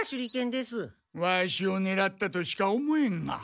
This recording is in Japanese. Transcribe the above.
ワシをねらったとしか思えんが。